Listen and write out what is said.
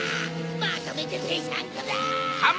まとめてペシャンコだ！